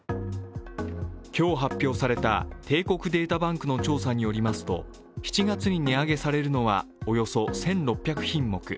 今日発表された帝国データバンクの調査によりますと、７月に値上げされるのはおよそ１６００品目。